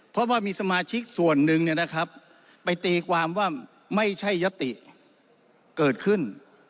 เพราะว่ามีสมาชิกส่วนนึงเนี่ยนะครับไปตีความว่าไม่ใช่ยศติเกิดขึ้น